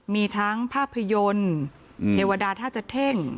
มีทั้งภาพยนตร์เทวดาท่าจะเท่ง